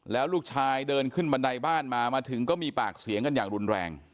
แล้วลูกชายเดินขึ้นบันไดบ้านมามาถึงก็มีปากเสียงกันอย่างรุนแรง